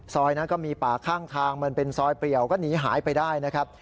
ซอยนั้นก็มีป่าข้างทางมันเป็นซอยเปรียวก็หนีหายไปได้นะครับ